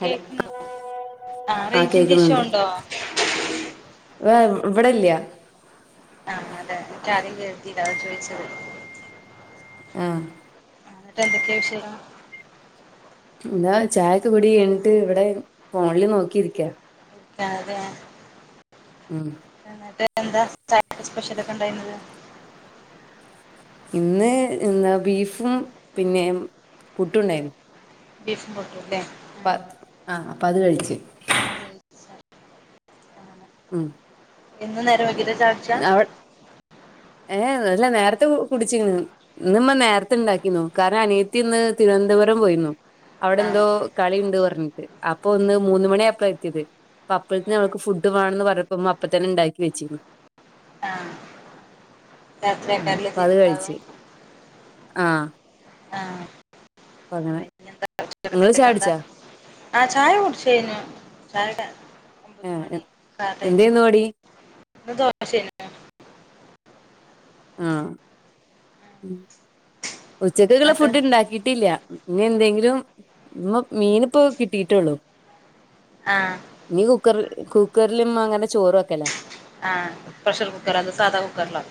Hello കേക്ക്ണോ ആഹ് അ റേഞ്ചിന്റെ ഇഷ്യൂ കേക്കുന്നുണ്ട് ഉണ്ടോ വേം ഇവിടില്ല്യാ ആ- അതെ എക്ക് ആദ്യം കേട്ടീല്ല അതാചോയ്ച്ചത് അ ആ- എന്നട്ട് എന്തൊക്കെവിഷ്ടം ഇതാ ചായൊക്കെ കുടി എൻട്ട് ഇവടെ ഫോണ്ല് നോക്കി ഇരിക്ക ച്ച തെയ മ്മ് എന്താ ചായക്ക് സ്പെഷലൊക്കെ ഇണ്ടായ്ര്ന്നത് ഇന്ന് ഇന്ന ബീഫും പിന്നെ പുട്ടുഉണ്ടായ്രു ബീഫ് പ്പത് അ അപ്പത് കഴിച്ച് അത് [inaudible] മ് എന്നും നേരം വൈകിട്ട ചായകുട്ചാ ഏഹ് അല്ല നേരത്തെ കുടിച്ചിക്ക്ണ് ഇന്ന് ഉമ്മ ന്നേര്ത്തെ ഇണ്ടാക്കിന്നു കാരണം അനിയത്തി ഇന്ന് തിരുവനന്തപുര പുരം പോയിന്നു അവിടെന്തോ ആഹ് കളിണ്ട് പറഞ്ഞിട്ട് അപ്പൊ ഒന്ന് മൂന്ന് മണി ആയപ്പളാ എത്തിയത്-അപ്പ പ്പൾത്തിന് അവൾക് ഫുഡ്‌ വേണെന്ന് പർഞ്ഞപ്പോ ഉമ്മ അപ്പത്തന്നെ ഇണ്ടാക്കി വെച്ചീന്നു ആഹ് മ്മ് രാത്രിയാക്കാരല്ലേ അപ്പ അത് എത്തിയിട്ടുണ്ടാവ കഴിച്ച് ആ ആഹ അപ്പങ്ങനെ പിന്നെന്താ അവ്ടത്തെ എന്താ ആഹ ചായകുടിച്ചയ്ഞ്ഞു ചായ ഒമ്പത് ഏഹ് മണി കാ ടൈമില് എന്തേന്നുവാടി കുടിക്കും ഇന്ന് ദോഷെനു ആഹ ഉച്ചക്ക്ക്ക്ള്ള എന്നിട്ട് ഫുഡ് ഇണ്ടാക്കിട്ടില്ല ഇനി എന്തെങ്കിലും ഉമ്മ മീനിപ്പോ കിട്ടിട്ടോള്ളു ആഹ ക്കർ കുക്കർലുമ്മ അങ്ങനെ ചോറ് വെക്കലാ ആഹ പ്രഷർ കുക്കറൊ അതൊ സാധാ കുക്കർലോ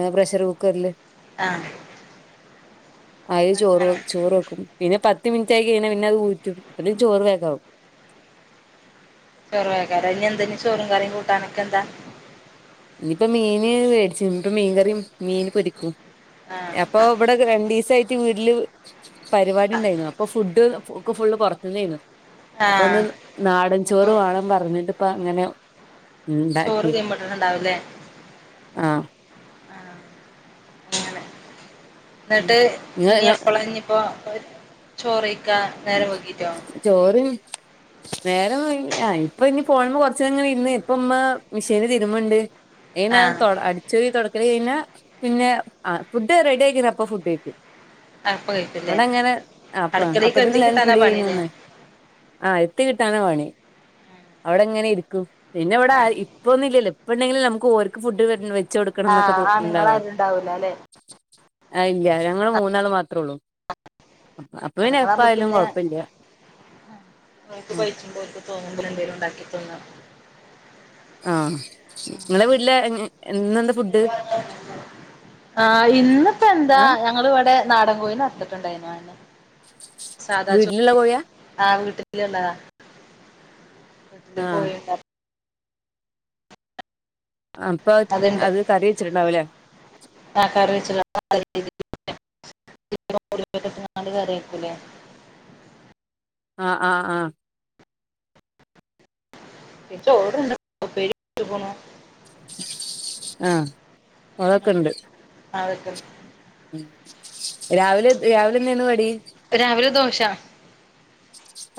ഏ പ്രഷർ കുക്കർല് ആഹ അയ്ചോറ് ചോറ് വെക്കും പിന്നെ പത്ത് മിൻറ്റായി കയ്ഞ്ഞാ പിന്നത് ഊറ്റും അപ്പത്തിനും ചോറ് വേകാവും ചോറുവേക്കാര ഇനി എന്തനി ചോറും കറീം കൂട്ടാനൊക്കെന്താ യിപ്പ മീന് വേടിച് ഇനിപ്പ മീൻകറീം മീന് പൊരിക്കും ആഹ ഇവടെക്കെ രണ്ടീസായ്റ്റ് വീട്ട്ല് പരിവാടി ഇണ്ടായിരുന്നു അപ്പൊ ഫുഡ് ഒക്കെ ഫുള്ള് പൊറത്ത് ന്നേയ്ന്നു ആഹ് അപ്പന്ന് അപ്പൊ നാടൻചോറ് വേണം പറഞ്ഞിട്ട് ഇപ്പ അങ്ങനെ ചോറ് ഉണ്ടാക്കി ചെയ്യ്മ്പോട്ടിട്ടുണ്ടാവൂല്ലേ ആഹ് അങ്ങനെ എന്നിട്ട് ഇനി ഇങ്ങ എപ്പള ഇനിപ്പോ പള് ചോറായി ചോറ് നേരം ആയി ആഹ് ഇപ്പൊ ഇനി ഫോണമെ കൊറച്ചങ്ങനെ ഇര്ന്ന് ഇപ്പം ഉമ്മ മിഷീന് തിരുമ്പുണ്ട് ഏയിനേരം ആഹ് തുട അടിച്ചരി തുടക്കല കഴിഞ്ഞ പിന്നെ ആഹ് ഫുഡ് റെഡി ആക്കിന്നപ്പ ഫുഡ്ക്കും അപ്പ കഴിക്കുംല്ലേ ഇവിടെ അങ്ങനെ ആഹ് അപ്പ അടുക്കളേക്ക് എത്തി അപ്പതിന്നെല്ലാരും കിട്ടാനാ കുളികഴിഞ്ഞ് പണില്ലേ വാന്ന് ആഹ് എത്തിട്ടാണ് പണി അവിടെ ഇങ്ങനെ ഇരിക്കും പിന്നെ ഇവിടെ ആഹ് ആരി ഇപ്പൊന്നു ഇല്ലല്ലോ ഇപ്പ ഉണ്ടെങ്കിൽ നമുക്ക് ഓർക്ക് ഫുഡ് വേർന് വച്ച് കൊടുക്കണംന്നൊക്കെ ആഹ് തൊ ഇണ്ടവാ ആണുങ്ങളാരും ഉണ്ടാവൂല അല്ലെ ആ ഇല്ല ഞങ്ങൾ മൂന്നാള് മാത്രേ ഉള്ളൂ അപ്പ അപ്പിന്നെ ആണുങ്ങളാവുമ്പോ പിന്നെ മൂ ഓർക്ക്‌ ഉം പഴിച്ചുമ്പോല്ക്ക് തോന്നുമ്പോ എന്തേലും ഉണ്ടാക്കി തിന്നാം ആഹ് നിങ്ങളെ വീട്ടില് എൻ ഏഹ് ഇന്നെന്താ ഫുഡ് ആഹ് ഇന്നിപ്പോ എന്താ ആഹ് ഞങ്ങൾ ഇവിടെ നാടൻ കോയിനെ ഫുടൊക്കൊയിമാന് സാധാ ചോ വീട്ടിലുള്ള കോഴിയാ ആഹ് വി ട്ടിലെന്താ വീട്ടിൽ ആഹ് കോഴി ഇട അപ്പൊ അത്ണ്ട് അത് കറി വെച്ചിട്ടുണ്ടാവുംല്ലേ കാക്കാർ വെചുള്ളാ [unintelligible] [unintelligible] കറിയാകുലെ ആഹ് ആഹ് ആഹ് പിന്നെ ചോറുണ്ട് ഉപ്പേരി [unintelligible] ആഹ് അതൊക്കെണ്ട് അതൊക്കെണ്ട് ഉം രാവിലെ രാവിലെന്നേയ്ന്നു കടി രാവിലെ ദോശ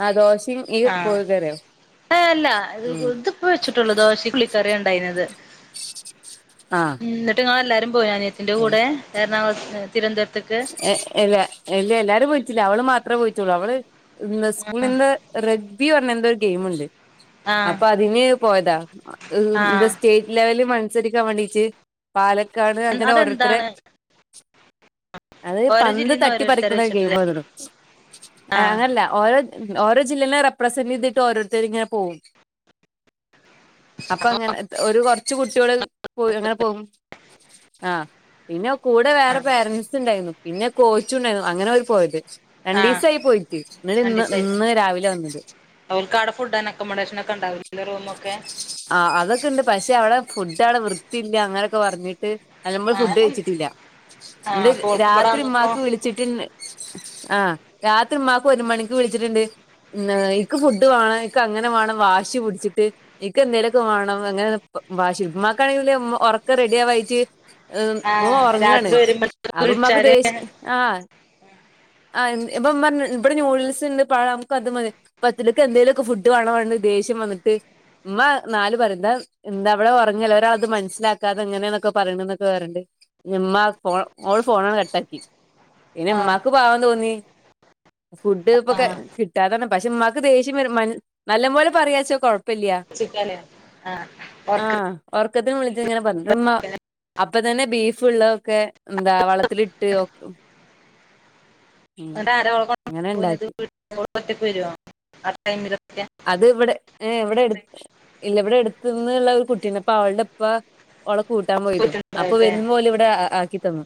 ആഹ് ദോഷിം ഈ കോഴികറിം ഏ അല്ല ഇത് ഇതിപ്പ വെച്ചിട്ടുള്ളൂ ദോശി ഉള്ളിക്കറിയാണ്ടായിന്നത് ആഹ് ഉം ന്നിട്ട് ങ്ങള് എല്ലാരും പോയാ അനിയത്തിന്റെ കൂടെ എറണാകുളം തിരുവനന്തപുരം എ ഇല്ല ഇല്ല്യ എല്ലാരും പോയിറ്റില്ല അവള് മാത്രം പോയിറ്റൊച്ചുള്ളൂ അവള് ഇന്ന് ആഹ് സ്കൂളിൽന്ന് റെഗ്ബി പറഞ്ഞ എന്തോ ഒരു ഗെയിമുണ്ട് ആഹ് അപ്പൊ അതിന് പോയതാ ഈ ഉം എന്താ ആഹ് സ്റ്റേറ്റ് ലെവല് മൽ സരിക്കാൻ വേണ്ടീട്ട് പാലക്കാട് അങ്ങനെ ഓരോരുത്തരെ അതെന്താണ് അത് ഓരോ പന്ത് ജില്ലീന്ന് തട്ടി ഓരോരുത്തരെ പറിക്ക്ണ വെച്ചിട്ടില്ലേ ഗെയിമാതോന്നുണു ആഹ് അങ്ങനല്ല ഓരോ ഓരോ ജില്ലെനേം റെപ്രസെന്റ് ചെയ്തിട്ട് ഓരോരുത്തരിങ്ങനെ പോവും അപ്പ അങ്ങനത്തെ ഒരു കൊർച്ച് കുട്ട്യോള് പോ അങ്ങനെ പോവും ആഹ് പിന്നെ കൂടെ വേറെ ആഹ് പേരന്റ്സ്ണ്ടായിരുന്നു പിന്നെ കോച്ചുണ്ടായിരുന്നു അങ്ങനവര് പോയത് ആഹ് രണ്ടിസായി പോയിട്ട് ഇന്നലെ ഇന്ന് ന്ന് രാവിലെ വന്നത് ഓൽക്കാടെ ഫുഡ് ആന്റ് അക്കോമഡേഷനൊക്കെണ്ടാവില്ലെ റൂമൊക്കെ ആഹ് അതൊക്കെണ്ട് പക്ഷേ അവിടെ ഫുഡ് അവിടെ വൃത്തിയില്ല അങ്ങനെയൊക്കെ പറഞ്ഞിട്ട് അത് നമ്മള് ആഹ് ഫുഡ് കഴിച്ചിട്ടില്ല ആഹ് ന്നിട്ട് അപ്പൊ ഓൾക്ക് ഇവിടെ രാത്രി വന്നപ്പോ ഇമ്മാക്ക് വിളിച്ചിട്ട്ണ്ട് ആ രാത്രി ഉമ്മാക്ക് ഒരു മണിക്ക് വിളിച്ചിട്ടുണ്ട് ന്നേ ഇക്ക് ഫുഡ് വേണം ഇക്കങ്ങനെ വാണം വാശി പിടിച്ചിട്ട് ഇക്ക് എന്തേലൊക്കെ വേണം അങ്ങനെ പ വാശി ഉമ്മാക്കാണെങ്കില് മ്മ ഒറക്ക റെഡിയാവായിട്ട് മ്മ ആഹ് ഒറങ്ങാണ് രാത്രി വരുമ്പോ അപ്പ മ്മക്ക് വിളിച്ചാല് ദേഷ് ആഹ് ആഹ് ഇപ്പം ഉമ്മ പറഞ്ഞ് ഇവിടെ ന്യൂഡിൽസിണ്ട് പഴം മ്മക്ക് അത് മതി പറ്റില്ലക്ക് എന്തേലൊക്കെ ഫുഡ് വേണം വേണ്ട ദേഷ് [unintelligible] വന്നിട്ട് ഉമ്മ നാല് പേരെടെ എന്താ അവിടെ ഒറങ്ങല്ലോ ഓരളത് മനസ്സിലാക്കാതെ ഇങ്ങനെന്നൊക്കെ പറേണന്നൊക്കെ പറേണ്ട് മ്മാ ഫോൺ ഓള് ഫോ ണങ്ങ് കട്ടാക്കി പിന്നെ ആഹ് മ്മാക്ക് പാവം തോന്നി ഫുഡ് ഇപ്പൊക്കെ ആഹ് കിട്ടാതന്നെ പക്ഷെ മ്മാക്ക് ദേഷ്യം വരും മന് നല്ല പോലെ പറയാച്ചാ കൊ പ്പില്ല്യാ ചിക്കന് ആഹ് ഓർക്ക് ആഹ് ഒറക്കത്ത് വിളിച്ച് ഇങ്ങനെ പറ മ്മ അപ്പ തന്നെ ബീഫുള്ളക്കെ എന്താ വള്ളത്തിലിട്ട് ഒക് എന്നിട്ടാര അങ്ങനെ ഉണ്ടാക്കി [unintelligible] ഒറ്റക്ക് വര്വൊ ആ ടൈമില് അത്വിടെ ഏ വിടെ എടു ഇല്ല ഇവിടെ എടുത്തുന്ന്ള്ള ഒരു കുട്ടീണ്ട് അവളുടെ പ്പ ഓളെ കൂട്ടാൻ പോയിതു അപ്പൊ പോയിട്ടുണ്ടാവുല്ലേ വരുമ്പോലിവിടെ ആ ആക്കി തന്നു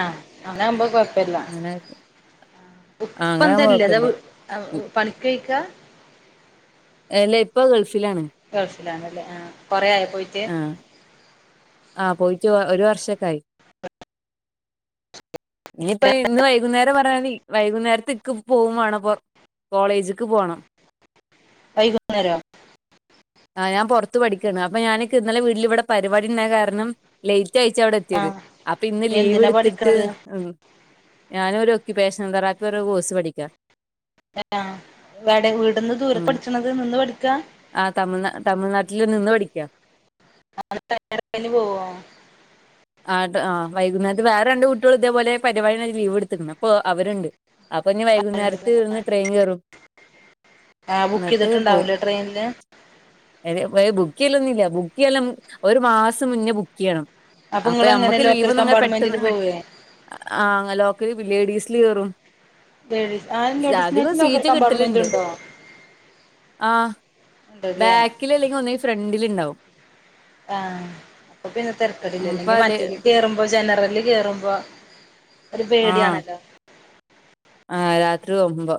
ആഹ് അങ്ങ്നാമ്പോ കൊഴപ്പില്ല അങ്ങനെ ആക്കി ആഹ് അങ്ങനാവുമ്പോ ഉപ്പന്തല്ലെതാ കൊഴപ്പില്ല വ് പണിക്ക്ക്ക എലെ പ്പ ഗൾ ഗെൾഫിലാണല്ലേ ആഹ് കൊറെയായോ പോയിറ്റ് ആഹ് ആഹ് പോയിറ്റ് ഒരു വർഷൊക്കെ ആയി ഇനിപ്പ ഇന്ന് വൈകുന്നേരം പറ [unintelligible] മതി വൈകുന്നേര് ത്തിക്ക് പോവുവേണം പൊർ കോളേജ്ക്ക് പോണം വൈകുന്നേരോ ആഹ് ഞാൻ പൊറത്ത് പഠി ക്കാണ് അപ്പ ഞാനിക്ക് ഇന്നലെ വീട്ല് ഇവിടെ പരിപാടിണ്ടായ കാരണം ലേയ് ച്ചായിച്ചവിടെ എത്തിയത് ആഹ് അപ്പൊ ഇന്ന് ലീവ് എന്തിനാ എടുത്തിട്ട് പഠിക്കണത് ഉം ഞാനൊരു ഒക്യുപേഷൻ തെറാപ്പി [unintelligible] കോസ് പഠിക്കാ ആഹ് ഇവടെ ഇവീട്ന്ന് ദൂരെ ഉം പഠിച്ചണത് നിന്ന് പഠിക്ക ട്ടില് നിന്ന് പഠിക്കാ നാളെ തെരഞ്ഞെടുപ്പിന് പോവ്വോ ആട്ട് ആഹ് വൈകുന്നേരത്ത് വേറെ രണ്ട് കുട്ടികള് ഇതേപോലെ പരിപാടി ഴിഞ്ഞ് ലീവ് എടുത്ത്ട്ട്ണ്ട് അപ്പൊ അവര്ണ്ട് അപ്പൊ ഞ്ഞി വൈകുന്നേരത്ത്ന്ന് ട്രെയിൻ കേറും ആഹ് ബുക്ക് ചെയ്തിട്ടുണ്ടാവുല്ലേ ട്രെയിൻൽ വെ ബുക്കെയ്യലൊന്നില്ല ബുക്കെയ്യല് ഒരു മാസം മുന്നേ ബുക്കയ്യണം. അപ്പൊ നിങ്ങള് എങ്ങനെ ഞമ്മക്ക് ലീവ് ലോക്കൽ ഒന്നും അങ്ങനെ കമ്പാർട്ട്മെന്റിൽ പെട്ടന്ന് പോവേ ആഹ് ലോക്കെലി ലേഡീസില് കേറും. ലേഡീസ് ആഹ് സ് അധികം ലേഡീസിനായിട്ട് ലോക്കൽ സീറ്റ് കമ്പാർട്ട്മെൻന്റ് കിട്ടലുണ്ട്. ണ്ടോ ആഹ് ബാക്കിൽ അല്ലെങ്കി ഒന്നെങ്കി ഫ്രണ്ടില്ണ്ടാവും ആഹ് അപ്പൊ പിന്നെ തെരക്കടി അപ്പ ല്ലെങ്കിൽ അല്ലേ മറ്റില് കേറുമ്പോ ജനറല് കേറുമ്പോ ഒരു ആഹ് പേടിയാണല്ലോ ആഹ് രാത്രി പോവുമ്പോ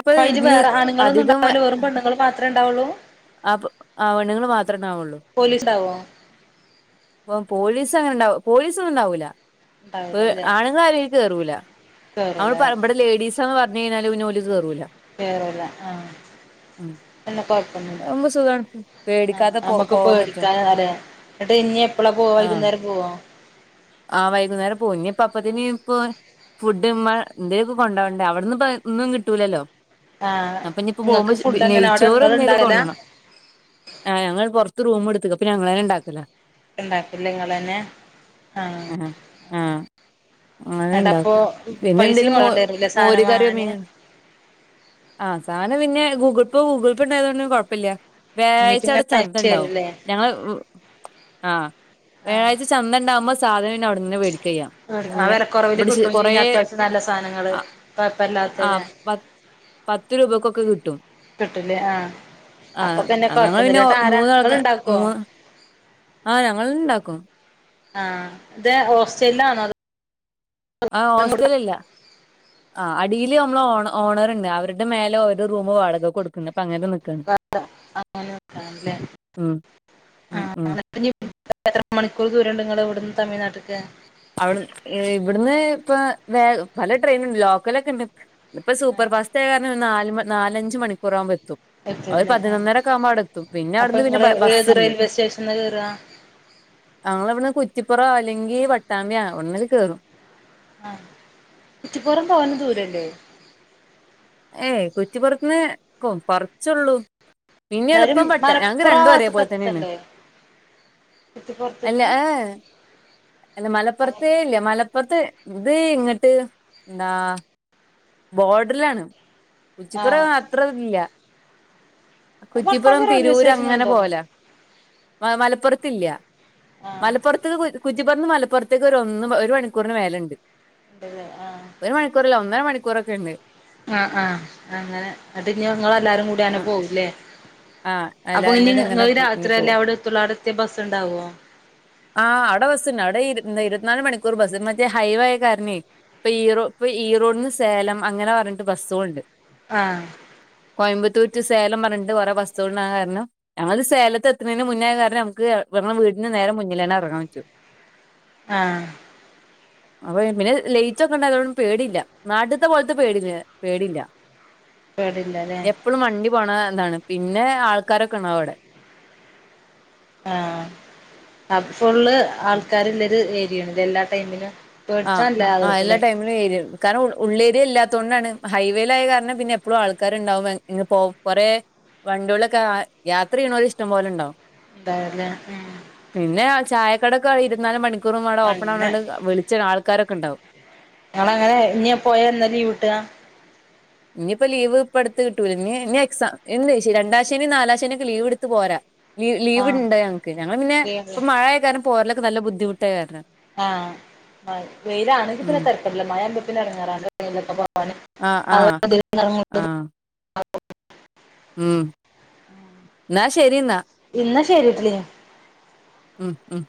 അപ്പൊ അയ്ജ് വേറെ ആണുങ്ങളൊന്നും ഇണ്ടാവില്ല വെറും പെണ്ണുൾ മാത്ര ഇണ്ടാവുള്ളൂ അപ്പ ആഹ് പെണ്ണുങ്ങൾ മാത്ര ഇണ്ടാവുള്ളു പോലീസ് ഉണ്ടാവോ അപ്പം പോലീസ് അങ്ങനെണ്ടാവോ പോലീസ ഒന്നും ഉണ്ടാവൂല്ല പെ ഉണ്ടാവില്ല അല്ലേ ആണുങ്ങൾ അയിലേക് കേറൂല കേറൂല നമ്മള് പ ലേഡീസന്ന് പ പർഞ്ഞഴിഞ്ഞാൽ പിന്നെ ഓല് കേറൂല കേറൂല്ല ആഹ് ഉം എന്ന കൊഴപ്പൊന്നുല്ല അതാവുമ്പോ സുഖാണ്. ആ പേടിക്കാതെ പോ നമ്മക്ക് പോവാൻ പറ്റും. പേടിക്കാൻ ആരാ എന്നിട്ട് ഇനി എപ്പളാ പോ ആഹ് വൈകുന്നേരം പോവോ ആഹ് വൈകുന്നേരം പോവും ഇനിപ്പ അപ്പത്തിന് ഇപ്പൊ ഫുഡ് മ്മ എന്തയൊക്ക കൊണ്ടവണ്ടേ അവിടുന്ന് ഒന്നും കിട്ടൂല ല്ലോ ആഹ് അപ്പൊ ഇനിയിപ്പ ഇങ്ങക്ക് പോകുമ്പോ ഫുഡ് എങ്ങനെ അവിടെ നെയ്ച്ചോറ് ഇങ്ങള് എന്തേലും ഇണ്ടാക്കലാ കൊണ്ടണം ആഹ് ഞങ്ങള് പോറത്ത് റൂമ് എടുത്ത്ക്ക് പിന്നെ ഞങ്ങളെനെ ഇണ്ടാക്കല ഇണ്ടാക്കല്ല് നിങ്ങന്നെ ആഹ് അങ്ങനെ എന്നിട്ടപ്പോ ഇണ്ടാക്കും പിന്നെ പൈസയും എന്തേലും മോ കൊണ്ടോണ്ടി വരൂല്ലേ സാധനം മോര് കറിയോ മീ വാങ്ങാന് ആഹ് സാനം പിന്നെ ഗൂഗിൾ പേ ഗൂഗിൾ പേ ഉണ്ടായതുകൊണ്ടും കുഴപ്പല്ല ഇമ്മീറ്റ് വ്യാഴ്ച ആടെ ഇങ്ങനെ ചന്ത അയച്ച് ഇണ്ടാവും തരൂല്ലേ ഞങ്ങള് ളു ആഹ് വ്യാഴാഴ്ച ആഹ് ചന്ത ഇണ്ടാവുമ്പോ സാധന് നം അവിടുന്ന് വേടിക്ക ചെയ്യാ, ആ പിന്നെ വെലക്കൊറവില് ഇവിടെ ശ് കിട്ടും കൊറേ ചെയ്യും അത്യാവശ്യം നല്ല സാധനങ്ങള് ആ കൊഴപ്പല്ലാത്തത് ആഹ് പത് പത്ത് രൂപക്കൊക്കെ കി കിട്ടൂലേ ആഹ് അപ്പൊ പിന്നെ ആ ഞങ്ങൾ പിന്നെ കൊഴപ്പൊന്നുല്ല ഒ എന്നിട്ട് ആരാ മൂന്നൾക്ക ഇങ്ങള് മൂ ഇണ്ടാക്കോ ആഹ ഞങ്ങൾ ഇണ്ടാക്കും ആഹ ഇത ഓസ്ട്രേലിയ ആണോ അത് ആ് ഹോസ്റ്റലല്ല ആ അടിൽ മ്മള് ഓ ഓണർുണ്ട് അവരുടെ മേലെ അവരു റൂമ് വാടക കൊടുക്കുന്നുണ്ട് വേറെ ഉം ആ ഉം ഉം എത്ര മണിക്കൂർ ദൂരംണ്ട് നിങ്ങ ഇവിടുന്ന് തമിഴ്നാട്ടി അവിടു ഇവിടുന്ന് ഇപ്പ വേ പല ട്രെയിൻുണ്ട് ലോക്കലൊക്കെ ഇണ്ട് ഇപ്പൊ സൂപ്പർ ആഹ് ഫാസ്റ്റ് ആയ കാരണം നാ നാലഞ്ച് മണിക്കൂറാകുമ്പോറ്റും ത്തും അവര് എത്തല്ലേ ആഹ് പതിനൊന്നരൊക്കെ ആകുമ്പോ അടെ എത്തും പിന്നെ അപ്പൊ അവിടുന്ന് പിന്നെ നിങ്ങള് ഏത് ബസ്സ്ുണ്ട് റെയിൽവേ സ്റ്റേഷനിലാ കേറാ ങ്ങവിടെ കുറ്റിപ്പുറ അല്ലെങ്കി വട്ടാമ്പ്യ ഒടന്നൽ ക കേറും ആഹ കുറ്റിപ്പുറം തോനെ ദൂരല്ലേ ഏയ് കുറ്റിപ്പുറത്തുള്ള കുറച്ച്ളളു പിന്നെ എന്നാലും എളുപ്പം പട്ടംഞങ്ങക്ക് മലപ്പുറം ആ രണ്ടു ഓരെ ഭാഗത്ത്ക്ക് പോലെ തന്നെയാണ് എത്തണ്ടേ അല്ല കുറ്റിപ്പുറത്ത്ക്ക് ആഏ അല്ല മലപ്പുറത്ത ഇല്ലേ മലപ്പുറത്ത് ഇത് ഇങ്ങിട്ട് എന്താ ബോർഡറിലാണ് ആഹ് കുറ്റിപ്പുറം അത്രല്ല കുറ്റിപ്പുറം വട്ടാഞ്ചി റെയിൽവേ തിരൂര് അങ്ങനെ സ്റ്റേഷനുണ്ടോ പോല മ മലപ്പുറത്തില്ല ആഹ് മലപ്പുറത്ത് കുറ്റിപ്പറന്ന് മലപ്പുറത്തേക്ക് ഒരു ഒന്ന് ഒരു മണിക്കൂറിന് മേലുണ്ട് ഉണ്ടല്ലേ ആഹ് ഒരു മണിക്കൂറല്ല ഒന്നര മണിക്കൂറൊക്കെ ഉണ്ട് ആഹ് ആഹ് അങ്ങനെ അത് ഇനി നിങ്ങ എല്ലാരും കൂടി അനെ ആ പോവുംല്ലേ ആ അപ്പൊ എല്ലാരും കൂടി അങ്ങനെ ഇനിങ്ങ ഇഞ്ഞ് രാത്രിയല്ലേ പോവും അവിടെത്തുള്ള അടത്തെ ബസ്സ ഉണ്ടാവുവോ ആഹ് അവിടെ ബസ്സുണ്ട് അവിടെ ഇരുപത്തിനാല് മണിക്കൂർ ബസ് മറ്റേ ഹൈവേ ആ കാരണ ഇപ്പൊ ഈറോ ഇപ്പൊ ഈ റോഡന്ന് സേലം അങ്ങനെ പറഞ്ഞിട്ട് ബസ്സുകുണ്ട് ആഹ കോയമ്പത്തൂ ടു സേലം പറഞ്ഞിട്ട കുറെ ബസ് ൻ കാരണം ഞമ്മത് സ്േലത്ത് എത്തുന്നതിന് മുന്നേ കാരണംഞക്ക്ടെ വീടിന് നേരം മുന്നിൽ തന്നെ ഇറങ്ങാൻ പറ്റു [inaudible] ആഹ അപ്പൊ പിന്നെ ലേറ്റ്ൊക്കെ ഉണ്ട അതോും പേടില്ല നാട്ടത്തെ പോലത്തെ പേടില്ല പേടില്ല പേടില്ലല്ലേ എപ്പോഴും വണ്ടി പോണ എന്താണ് പിന്നെ ആൾക്കാരൊക്കെണോ അവിടെ ആഹ അ ഫുള്ള് ആൾക്കാർല്ലരു ഏരിയണല്ല എല്ലാ ടൈമിനും ആഹ് ആ എല്ലാ ടൈമിലും ഏരിയണ്ട് കാരണം ഉള്ളേരിയ ഇല്ലാത്ത തൊണ്ടാണ് ഹൈവേയിലായ കാരണം പിന്നെ എപ്പോഴും ആൾക്കാരുണ്ടാവും ഇ പോ കൊറെ വണ്ടിളൊക്കെ യാത്ര ചെയ്യണല ഇഷ്ടം പോല ഉണ്ടാവും എന്തല്ല ഉ പിന്നെ ആ ചായക്കടൊക്കെ ഇരുുന്നാല് മണിക്കൂർും അവിടെ ഓപ്പൺ അങ്ങനെ ആവുന്നണ്ട് വിളിച്ച ആൾക്കാരൊക്കെ ഉണ്ടാവും ഞങ്ങള അങ്ങനെ ഇ പോയ എന്നാല വീട്ടുകാ ഇനിയിപ്പ ലീവ് ഇപ്പ എടുത്ത് കിട്ടൂല ഇീ ഇനി എക്സാം എ രണ്ടാ്േനും നാലാഴ്ചേനൊക്കെ ലീവ് എടുത്ത് പോരാ ലീവ ആഹ് ലീവ്ുണ്ടോ ഞൾക്ക് ഞങ്ങള്ൾ പിന്നെ ലീവ് ഇപ്പ മഴയ കാരണം പോലൊക്ക നല്ല ബുദ്ധിമുട്ടായി കാരണം ആഹ് വെയിലാണെങ്കി ഉം പിന്നെ തരപ്പമില്ല മഴമ്പ പിന്നെ ഇറങ്ങാറാണ്ട്ക്കെ ആഹ് ആഹ് െ അ ആഹ് ഉം എന്നാ ശരി എന്നാ ഇന്ന് ശരിട്ടില്ല ഉം ഉഹ